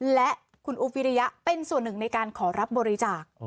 และคุณอุ๊บวิริยะเป็นส่วนหนึ่งในการขอรับบริจาค